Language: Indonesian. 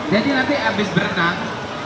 jadi nanti abis berenang